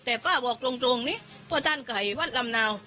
แต่ป้าบอกตรงนี้พ่อท่านไก่วัดลำนาว